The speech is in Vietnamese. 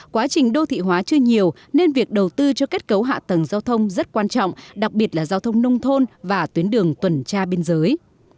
quá trình đô thị hóa chưa nhiều nên việc đầu tư cho kết cấu hạ tầng giao thông rất quan trọng đặc biệt là giao thông nông thôn và tuyến đường tuần tra biên giới